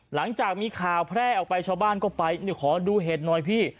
หลังจากมีข่าวแพร่ออกไปชาวบ้านก็ไปขอดูเหตุหน่อยพี่